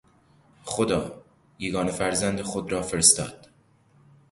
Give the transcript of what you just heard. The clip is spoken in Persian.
خدا، یگانه فرزند خود را فرستاد.